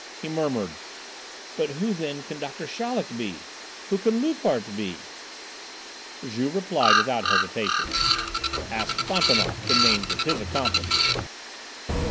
He murmured: "But who then can Doctor Chaleck be? Who can Loupart be?" Juve replied without hesitation. "Ask Fantômas the names of his accomplices!"